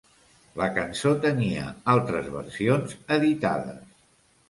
La cançó tenia altres versions editades.